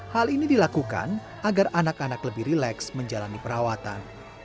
hal ini dilakukan agar anak anak lebih rileks menjalani perawatan